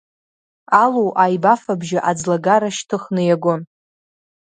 Алу аибафабжьы аӡлагара шьҭыхны иагон…